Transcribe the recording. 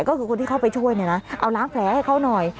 ก็คือคนที่เข้าไปช่วยเนี่ยนะเอาล้างแผลให้เขาหน่อย